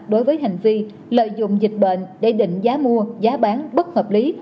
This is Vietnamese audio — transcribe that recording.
đối với hành vi lợi dụng dịch bệnh để định giá mua giá bán bất hợp lý